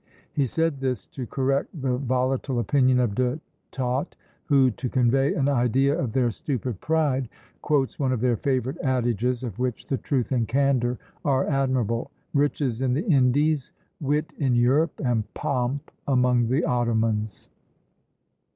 He said this to correct the volatile opinion of De Tott, who, to convey an idea of their stupid pride, quotes one of their favourite adages, of which the truth and candour are admirable; "Riches in the Indies, wit in Europe, and pomp among the Ottomans."